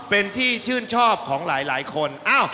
เป็นที่ชื่นชอบของหลายคน